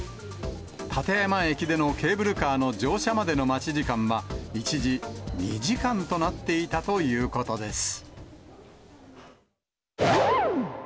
立山駅でのケーブルカーの乗車までの待ち時間は一時２時間となっていたということです。